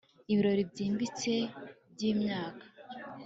Ibirori byimbitse byimyaka